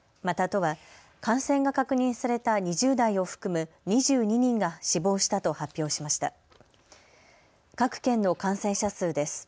また都は感染が確認された２０代を含む２２人が死亡したと発表しました。